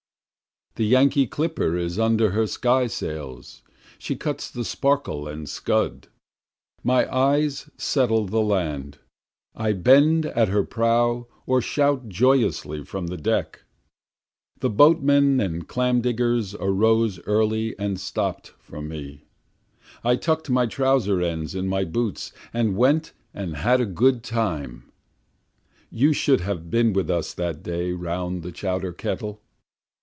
The Yankee clipper is under her sky sails, she cuts the sparkle and scud, My eyes settle the land, I bend at her prow or shout joyously from the deck. The boatmen and clam diggers arose early and stopt for me, I tuck'd my trowser ends in my boots and went and had a good time; You should have been with us that day round the chowder kettle.